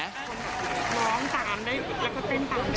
ร้องสารได้แล้วก็เต้นตามได้